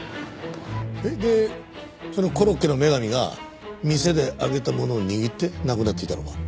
でそのコロッケの女神が店で揚げたものを握って亡くなっていたのか？